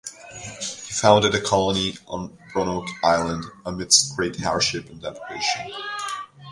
He founded a colony on Roanoke Island amidst great hardship and deprivation.